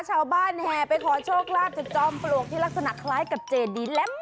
แห่ไปขอโชคลาภจากจอมปลวกที่ลักษณะคล้ายกับเจดีแหลม